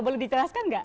boleh dicelaskan enggak